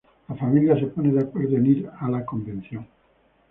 La familia se pone de acuerdo en ir a la convención.